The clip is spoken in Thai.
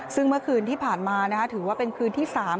ซึ่งเมื่อคืนที่ผ่านมาถือว่าเป็นคืนที่๓